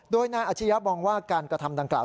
โดยนายอาชียะมองว่าการกระทำดังกล่าว